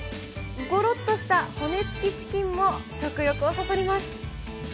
ごろっとした骨付きチキンも食欲をそそります。